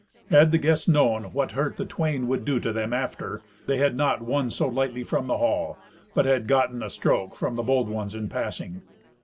Had the guests known what hurt the twain would do them after, they had not won so lightly from the hall, but had gotten a stroke from the bold ones in passing.